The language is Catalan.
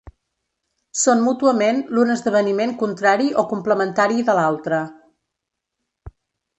Són mútuament l'un esdeveniment contrari o complementari de l'altre.